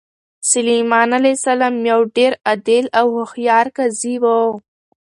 سلیمان علیه السلام یو ډېر عادل او هوښیار قاضي و.